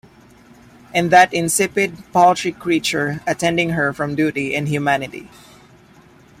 And that insipid, paltry creature attending her from duty and humanity!